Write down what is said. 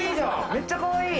めっちゃかわいい。